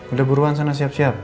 udah buruan sana siap siap